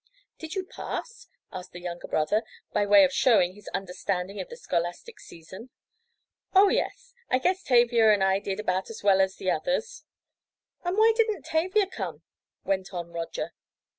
"Did you pass?" asked the younger brother, by way of showing his understanding of the scholastic season. "Oh, yes. I guess Tavia and I did about as well as the others." "Why didn't Tavia come?" went on Roger.